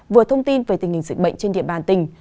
vừa thông tin về tình hình dịch bệnh trên địa bàn tỉnh